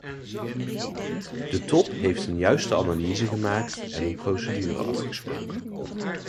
De top heeft een juiste analyse gemaakt en een procedure afgesproken.